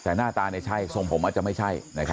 แต่หน้าตาเนี่ยใช่ทรงผมอาจจะไม่ใช่นะฮะ